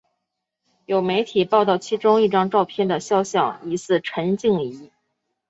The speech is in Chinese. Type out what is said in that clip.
有媒体报道其中一张照片的肖像疑似陈静仪。